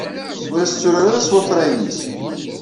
Ur as-tturar ara s wafrayen-is!